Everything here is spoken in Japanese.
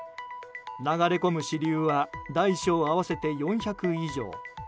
流れ込む支流は大小合わせて４００以上。